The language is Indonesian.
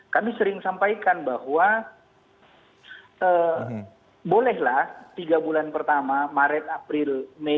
kami sering sampaikan bahwa bolehlah tiga bulan pertama maret april mei